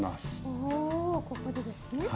おおここでですね。